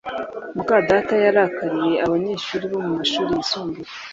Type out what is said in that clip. muka data yarakariye abanyeshuri bo mumashuri yisumbuye